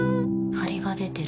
ハリが出てる。